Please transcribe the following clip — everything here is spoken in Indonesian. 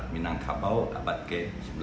minangkabau abad ke sembilan belas